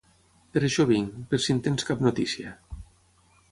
Per això vinc, per si en tens cap notícia.